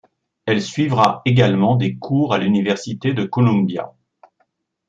Elle suivra également des cours à l'université Columbia.